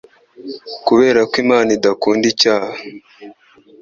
Kuberako Imana idakunda icyaha